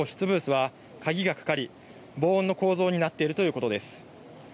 また、個室ブースは鍵がかかり防音の構造になっているということです。